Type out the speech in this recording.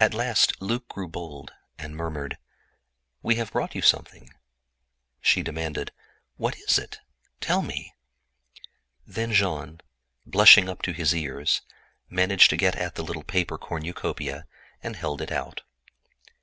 At last Luc grew bold, and murmured: "We have brought you something." She demanded, "What is it? Tell me!" Then Jean, blushing up to his ears, managed to get at the little paper cornucopia, and held it out.